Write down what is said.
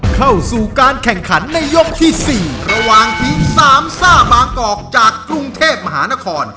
เข้าสู่การแข่งขันในยกที่๔ระหว่างทีมสามซ่าบางกอกจากกรุงเทพมหานคร